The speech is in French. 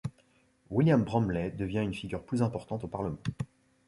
William Bromley devient une figure plus importante au Parlement.